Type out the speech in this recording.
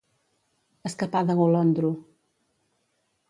Escapar de golondro.